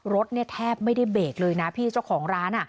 รถเนี่ยแทบไม่ได้เบรกเลยนะพี่เจ้าของร้าน